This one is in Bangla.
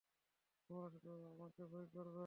তোমরা শুধু আমাকে ভয় করবে।